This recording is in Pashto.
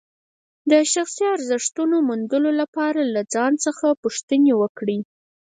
د شخصي ارزښتونو موندلو لپاره له ځان څخه پوښتنې وکړئ.